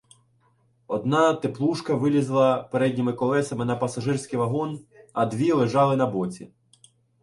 Одна теплушка вилізла передніми колесами на пасажирський вагон, а дві лежали на боці.